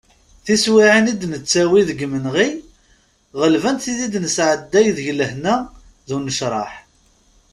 Tiswiɛin i d-nettawi deg yimenɣi ɣelbent tid i d-nesɛedday deg lehna d unecraḥ.